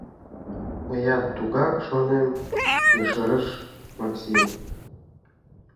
— Мыят тугак шонем, — ешарыш Макси.